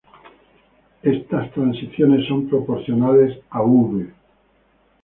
Estas transiciones son proporcionales a |"V"|.